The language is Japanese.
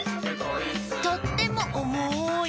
「とってもおもい！」